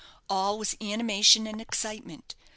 All was animation and excitement.